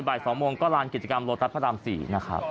บ่าย๒นก็ลานกิจกรรมโรตัสพระราม๔